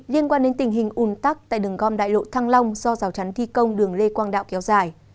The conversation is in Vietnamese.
liên quan đến tình hình ùn tắc tại đường gom đại lộ thăng long do rào chắn thi công đường lê quang đạo kéo dài